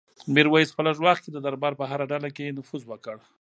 میرویس په لږ وخت کې د دربار په هره ډله کې نفوذ وکړ.